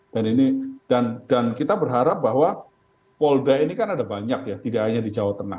dan kita berharap bahwa polda ini kan ada banyak ya tidak hanya di jawa tengah